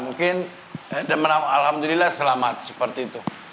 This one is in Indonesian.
mungkin alhamdulillah selamat seperti itu